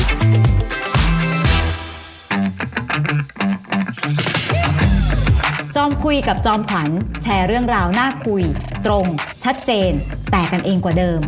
จ้อมคุยกับจอมขวัญแชร์เรื่องราวน่าคุยตรงชัดเจนแตกกันเองกว่าเดิม